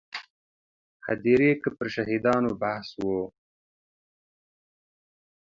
هدیرې کې پر شهیدانو بحث و.